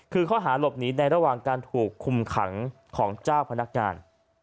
คือข้อหาหลบหนีในระหว่างการถูกคุมขังของเจ้าพนักงาน